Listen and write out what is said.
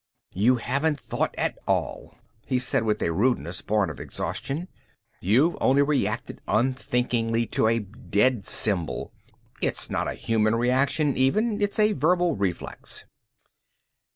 "You haven't thought at all," he said with a rudeness born of exhaustion. "You've only reacted unthinkingly to a dead symbol. It's not a human reaction, even, it's a verbal reflex."